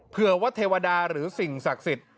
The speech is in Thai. เพื่อวัดเทวดาหรือสิ่งศักดิ์สิทธิ์